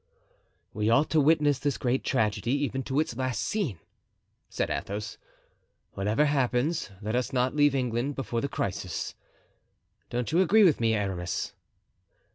"We ought to witness this great tragedy even to its last scene," said Athos. "Whatever happens, let us not leave England before the crisis. Don't you agree with me, Aramis?"